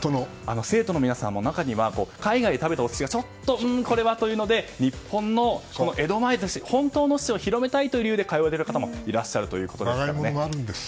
生徒の皆さんも中には海外で食べたお寿司がうーんこれはというので日本の本当の寿司を広めたいという理由で行かれる方もいらっしゃると。